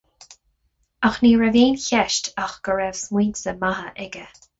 Ach ní raibh aon cheist ach go raibh smaointe maithe aige.